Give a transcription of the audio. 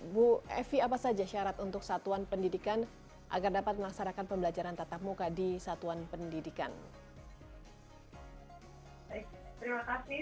bu evi apa saja syarat untuk satuan pendidikan agar dapat melaksanakan pembelajaran tatap muka di satuan pendidikan